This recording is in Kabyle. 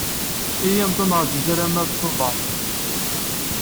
Iyyamt ad neṛju arma Tubeṛ.